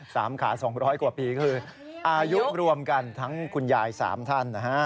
สามขาสองร้อยกว่าปีคืออายุรวมกันทั้งคุณยายสามท่านนะฮะ